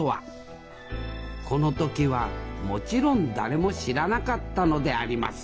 この時はもちろん誰も知らなかったのであります